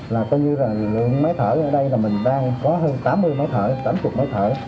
là coi như là lượng máy thở ở đây là mình đang có hơn tám mươi máy thở tám mươi máy thở